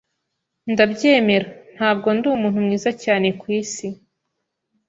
Ndabyemera, ntabwo ndi umuntu mwiza cyane kwisi.